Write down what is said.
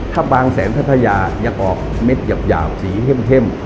ถ้าบางแสนพัทยายังออกเม็ดหยาบสีเข้ม